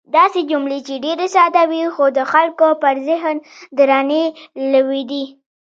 داسې جملې چې ډېرې ساده وې، خو د خلکو پر ذهن درنې لوېدې.